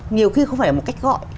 nhiều khi không phải là một cách gọi